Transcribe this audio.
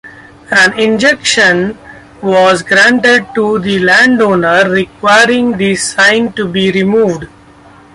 An injunction was granted to the landowner requiring the sign to be removed.